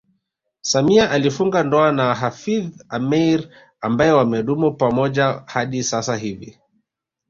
Samia alifunga ndoa na Hafidh Ameir ambaye wamedumu pamoja hadi sasa hivi